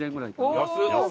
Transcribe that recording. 安い！